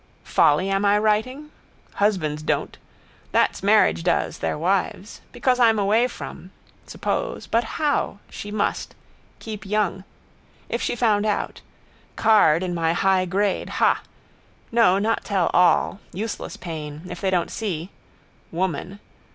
Folly am I writing? Husbands don't. That's marriage does, their wives. Because I'm away from. Suppose. But how? She must. Keep young. If she found out. Card in my high grade ha. No, not tell all. Useless pain. If they don't see. Woman.